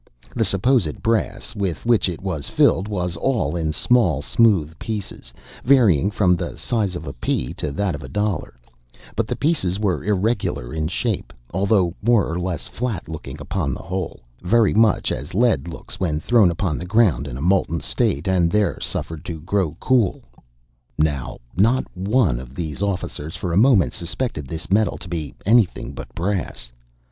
The supposed brass with which it was filled was all in small, smooth pieces, varying from the size of a pea to that of a dollar; but the pieces were irregular in shape, although more or less flat looking, upon the whole, "very much as lead looks when thrown upon the ground in a molten state, and there suffered to grow cool." Now, not one of these officers for a moment suspected this metal to be anything but brass.